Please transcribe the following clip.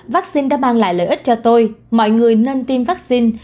vắc xin đã mang lại lợi ích cho tôi mọi người nên tiêm vaccine